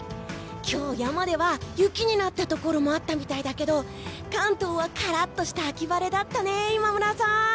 今日、山では雪になったところもあったようだけど関東はカラッとした秋晴れだったね、今村さん。